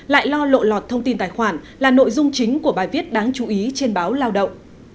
lại lo lộ lọt thông tin tài khoản là nội dung chính của bài viết đáng chú ý trên báo lao động